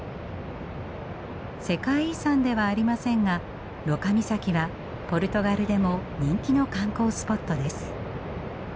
世界遺産ではありませんがロカ岬はポルトガルでも人気の観光スポットです。